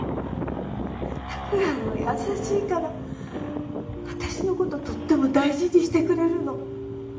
託也は優しいから私の事とっても大事にしてくれるの。